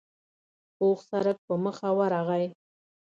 پوخ سړک په مخه ورغی.